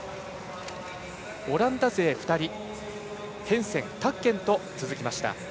オランダ勢２人ヘンセン、タッケンと続きました。